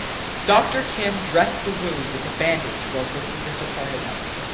Doctor Kim dressed the wound with a bandage while looking disappointed at me.